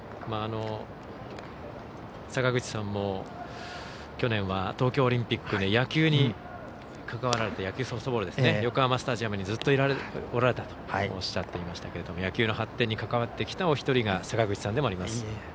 坂口さんも去年は東京オリンピックで野球・ソフトボールに関わられて横浜スタジアムにずっとおられたとおっしゃっていましたけども野球の発展に関わってきたお一人が坂口さんでもあります。